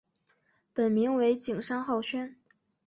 本名为景山浩宣。